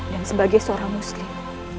dan sebagai seorang muslim